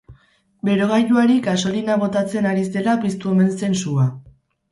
Berogailuari gasolina botatzen ari zela piztu omen zen sua.